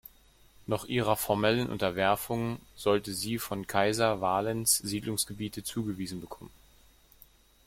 Noch ihrer formellen Unterwerfung sollten sie von Kaiser Valens Siedlungsgebiete zugewiesen bekommen.